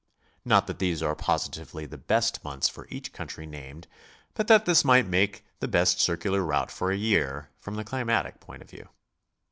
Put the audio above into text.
Not that these are positively the best months for each country named, but that this might make the best circular tour for a year, from the climatic point of view.